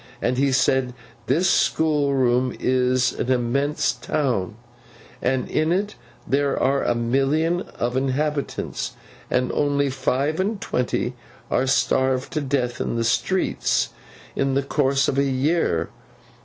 And he said, This schoolroom is an immense town, and in it there are a million of inhabitants, and only five and twenty are starved to death in the streets, in the course of a year.